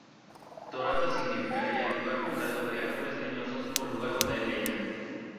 Torata significaría lugar poblado de árboles leñosos ó lugar donde hay leña.